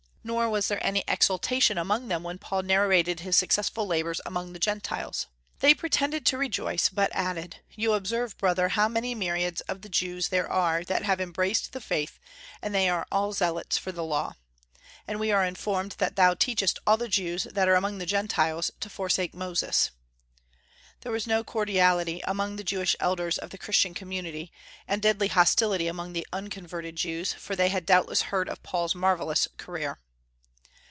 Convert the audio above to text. Nor was there any exultation among them when Paul narrated his successful labors among the Gentiles. They pretended to rejoice, but added, "You observe, brother, how many myriads of the Jews there are that have embraced the faith, and they are all zealots for the Law. And we are informed that thou teachest all the Jews that are among the Gentiles to forsake Moses." There was no cordiality among the Jewish elders of the Christian community, and deadly hostility among the unconverted Jews, for they had doubtless heard of Paul's marvellous career.